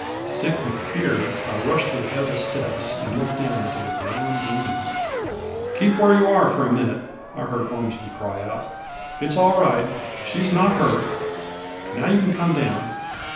Sick with fear, I rushed to the head of the steps, and looked down into the brown gloom. " Keep where you are for a minute 1 " I heard Orms by cry out ;" it's all right — she is not hurt ; now you can come down."